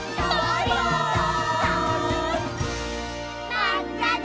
まったね！